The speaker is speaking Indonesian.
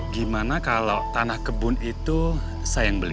gimana kalau tanah kebun itu saya yang beli